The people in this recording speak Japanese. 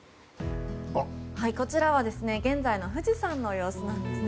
こちらは現在の富士山の様子です。